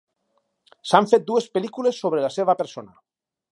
S'han fet dues pel·lícules sobre la seva persona.